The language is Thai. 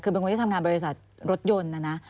คือเป็นคนที่ทำงานบริษัทรถยนต์นะนะ